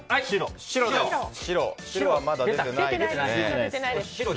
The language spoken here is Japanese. まだ出てないですね。